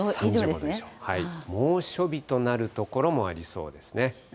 ３５度以上、猛暑日となる所もありそうですね。